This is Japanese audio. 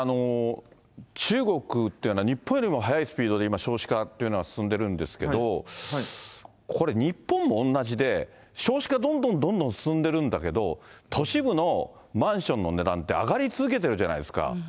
中国っていうのは、日本よりも速いスピードで今、少子化っていうのが進んでいるんですけれども、これ、日本も同じで、少子化どんどんどんどん進んでいるんだけど、都市部のマンションの値段って上がり続けてるじゃないですか。